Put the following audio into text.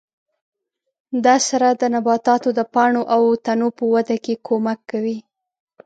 دا سره د نباتاتو د پاڼو او تنو په وده کې کومک کوي.